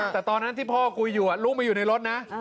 แต่ตอนนั้นที่พ่อคุยอยู่ลูกมาอยู่ในรถนะ